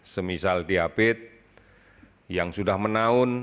semisal diabetes yang sudah menaun